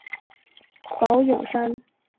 宝永山。